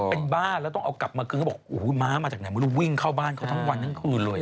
เป็นบ้าแล้วต้องเอากลับมากึ๊งมาจากไหนไม่รู้วิ่งเข้าบ้านเขาทั้งวันทั้งคืนเลย